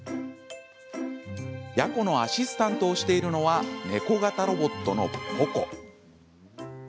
ヤコのアシスタントをしているのは猫型ロボットのポコ。